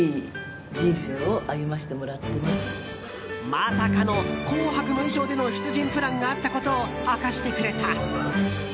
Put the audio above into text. まさかの「紅白」の衣装での出陣プランがあったことを明かしてくれた。